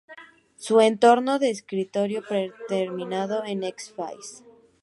Su entorno de escritorio predeterminado es Xfce.